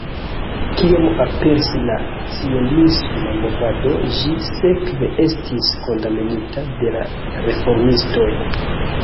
Kiam aperis la cionisma movado, ĝi sekve estis kondamnita de la reformistoj.